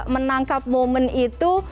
menangkap momen itu